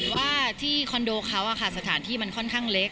ว่าที่คอนโดเขาสถานที่มันค่อนข้างเล็ก